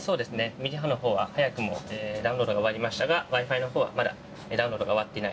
ミリ波のほうは早くもダウンロードが終わりましたがＷｉ−Ｆｉのほうはまだダウンロードが終わっていない。